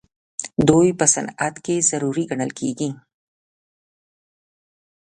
دوی په صنعت کې ضروري ګڼل کیږي.